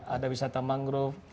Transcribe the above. ada wisata mangrove